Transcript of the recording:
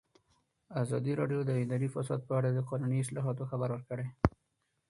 ازادي راډیو د اداري فساد په اړه د قانوني اصلاحاتو خبر ورکړی.